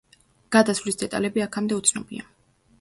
გადასვლის დეტალები აქამდე უცნობია.